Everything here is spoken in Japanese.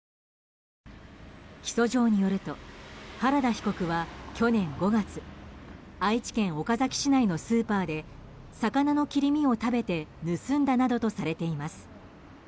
起訴状によると原田被告は去年５月愛知県岡崎市内のスーパーで魚の切り身を食べて盗んだなどとされています。